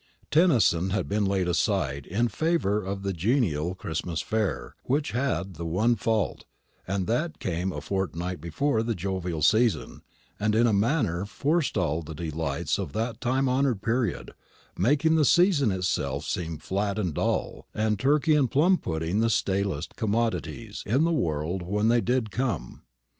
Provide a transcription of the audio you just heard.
Tennyson had been laid aside in favour of the genial Christmas fare, which had the one fault, that it came a fortnight before the jovial season, and in a manner fore stalled the delights of that time honoured period, making the season itself seem flat and dull, and turkey and plum pudding the stalest commodities in the world when they did come.